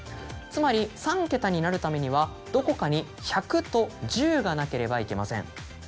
つまり３桁になるためにはどこかに「ひゃく」と「じゅう」がなければいけません。